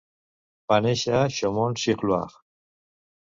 Va néixer a Chaumont-sur-Loire.